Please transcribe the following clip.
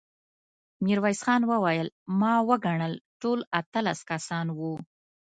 ميرويس خان وويل: ما وګڼل، ټول اتلس کسان وو.